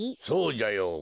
そうじゃよ。